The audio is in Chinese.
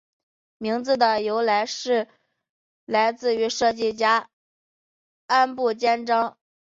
名字的由来是来自于设计家安部兼章。